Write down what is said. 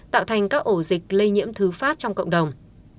tạo thành các ổ dịch lây nhiễm thứ phát trong cộng đồng